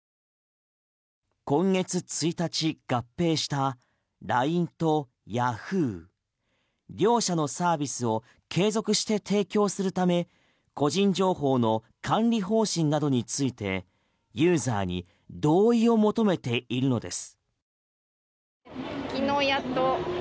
今月１日合併したＬＩＮＥとヤフー。両者のサービスを継続して提供するため個人情報の管理方針などについてユーザーに同意を求めているのです。